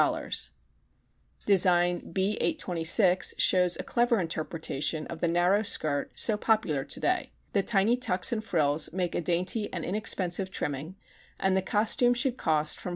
Design B 826 shows a clever interpretation of the narrow skirt so popular today. The tiny tucks and frills make a dainty and inexpensive trimming, and the costume should cost from $4.